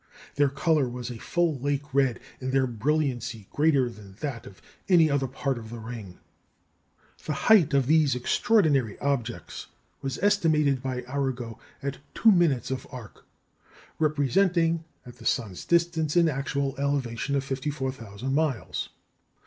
Their colour was a full lake red, and their brilliancy greater than that of any other part of the ring." The height of these extraordinary objects was estimated by Arago at two minutes of arc, representing, at the sun's distance, an actual elevation of 54,000 miles.